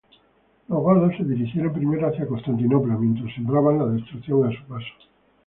Los godos se dirigieron primero hacia Constantinopla mientras sembraban la destrucción a su paso.